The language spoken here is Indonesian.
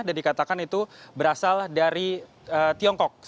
dikatakan itu berasal dari tiongkok